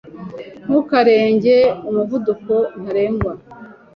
Ntukarenge umuvuduko ntarengwa.